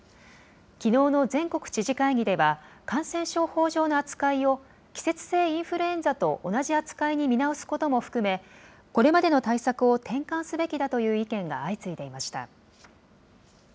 きのうの全国知事会議では、感染症法上の扱いを季節性インフルエンザと同じ扱いに見直すことも含め、これまでの対策を転換すべきだという意見が相次いでいました。